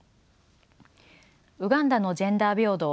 ウガンダのジェンダー平等